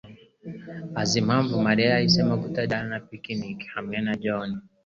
azi impamvu Mariya yahisemo kutajyana na picnic hamwe na John.